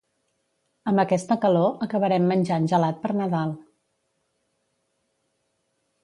Amb aquesta calor, acabarem menjant gelat per Nadal.